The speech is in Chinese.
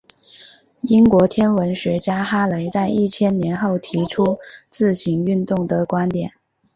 英国天文学家哈雷在一千年后提出自行运动的观点。